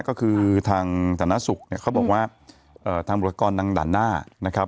ก็คือทางฐานะศุกร์เขาบอกว่าทางบริษัทกรนางด่านหน้านะครับ